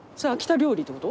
料理ってこと？